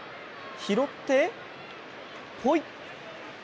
拾って、ポイ。